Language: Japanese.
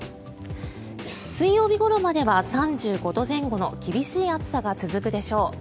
水曜日ごろまでは３５度前後の厳しい暑さが続くでしょう。